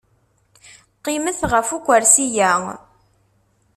Qqimet ɣef ukersi-a.